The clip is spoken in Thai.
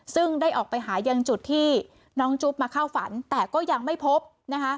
ซึ่งได้ออกไปหายังจุดที่น้องจุ๊บมาเข้าฝันแต่ก็ยังไม่พบนะคะ